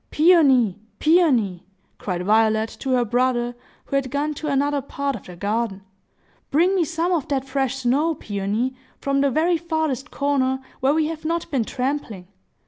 "Peony, Peony!" cried Violet to her brother, who had gone to another part of the garden, "bring me some of that fresh snow, Peony, from the very farthest corner, where we have not been trampling.